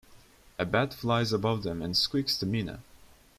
A bat flies above them and squeaks to Mina.